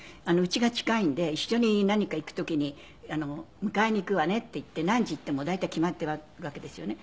家が近いんで一緒に何か行く時に「迎えに行くわね」って言って何時って大体決まっているわけですよね。